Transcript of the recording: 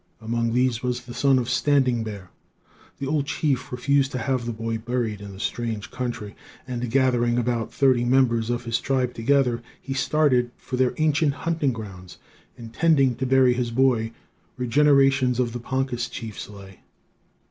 Among these was the son of Standing Bear. The old chief refused to have the boy buried in the strange country, and, gathering about thirty members of his tribe together, he started for their ancient hunting grounds, intending to bury his boy where generations of the Poncas chiefs lay.